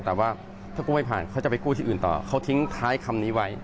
แต่ว่าถ้ากู้ไม่ผ่านเขาจะไปกู้ที่อื่นต่อเขาทิ้งท้ายคำนี้ไว้